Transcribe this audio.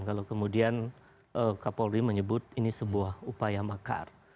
kalau kemudian kapolri menyebut ini sebuah upaya makar